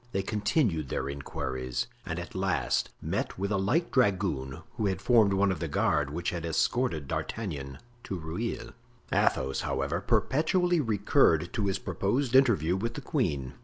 They continued their inquiries and at last met with a light dragoon who had formed one of the guard which had escorted D'Artagnan to Rueil. Athos, however, perpetually recurred to his proposed interview with the queen.